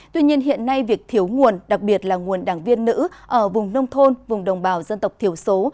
tuy nhiên hiện nay việc thiếu nguồn đặc biệt là nguồn đảng viên nữ ở vùng nông thôn vùng đồng bào dân tộc thiểu số